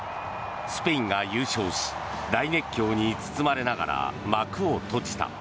スペインが優勝し大熱狂に包まれながら幕を閉じた。